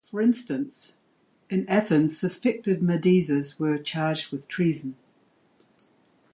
For instance, in Athens suspected Medisers were charged with treason.